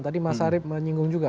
tadi mas arief menyinggung juga